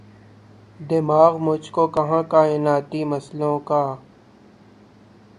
دماغ مجھ کو کہاں کائناتی مسئلوں کا